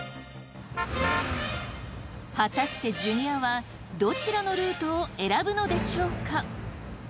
果たしてジュニアはどちらのルートを選ぶのでしょうか？